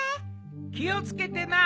気を付けてな。